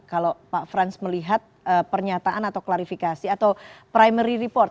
kalau pak frans melihat pernyataan atau klarifikasi atau primary report